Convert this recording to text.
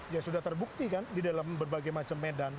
ya sudah terbukti kan di dalam berbagai macam medan